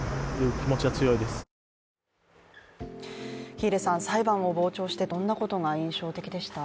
喜入さん、裁判を傍聴してどんなことが印象的でしたか。